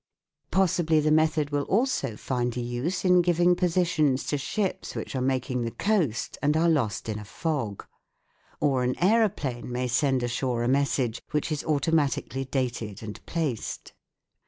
Possibly the method will also find a use in giving positions to ships which are making the coast and are lost in a fog. Or an aeroplane may send ashore a message which is automatically dated and placed.